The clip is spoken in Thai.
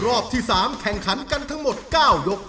รอบที่๓แข่งขันกันทั้งหมด๙ยก